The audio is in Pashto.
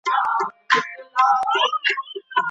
د آرشیف مسولین څه کار کوي؟